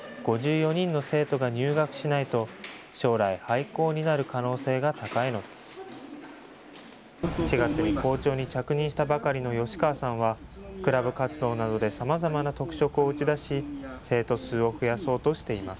４月に校長に着任したばかりの吉川さんは、クラブ活動などでさまざまな特色を打ち出し、生徒数を増やそうとしています。